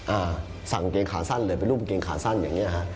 อ่าสั่งเกงขาสั้นเลยเป็นรูปกางเกงขาสั้นอย่างเงี้ฮะ